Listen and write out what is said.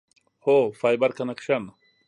هو، فایبر کنکشن